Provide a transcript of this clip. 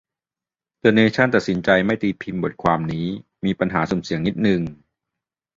เดอะเนชั่น ตัดสินใจไม่ตีพิมพ์บทความนี้ "มีปัญหาสุ่มเสี่ยงนิดนึง"